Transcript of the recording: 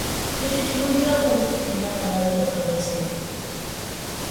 Que fais-tu donc là-haut? cria la Maheude à travers l’escalier.